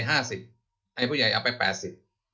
ให้ผู้ใหญ่เอาไป๘๐